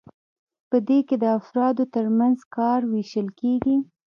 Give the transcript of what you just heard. په دې کې د افرادو ترمنځ کار ویشل کیږي.